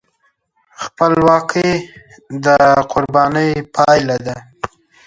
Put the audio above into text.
خپلواکي د قربانۍ پایله ده.